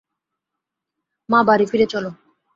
মা, বাড়ি ফিরে চলো।